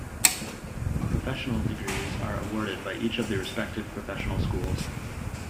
Professional degrees are awarded by each of the respective professional schools.